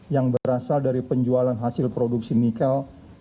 yang berasal dari penjualan hasil produksi nikel